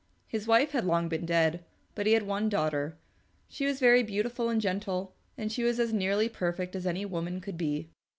His wife had long been dead, but he had one daughter. She was very beautiful and gentle, and she was as nearly perfect as any woman could be.